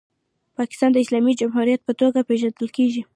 پاکستان د اسلامي جمهوریت په توګه پیژندل کیږي.